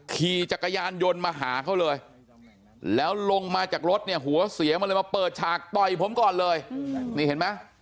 ขี่จักรยานยนต์มาหาเขาเลยแล้วลงมาจากรถเนี่ยหัวเสียงมาเลยมาเปิดฉากต่อยผมก่อนเลยนี่เห็นไหม